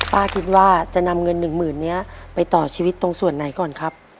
ป้าคิดว่าจะนำเงิน๑๐๐๐๐เนี่ยไปต่อชีวิตตรงส่วนไหนก่อนครับ